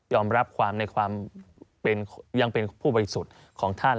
รับความในความยังเป็นผู้บริสุทธิ์ของท่าน